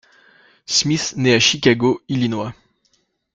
Smith naît à Chicago, Illinois.